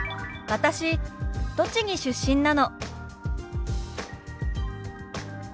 「私栃木出身なの」。